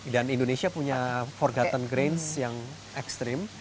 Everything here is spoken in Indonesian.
dan indonesia punya forgotten grains yang ekstrim